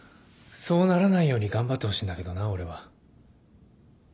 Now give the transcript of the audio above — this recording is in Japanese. そうならないように頑張ってほしいんだけどな俺は。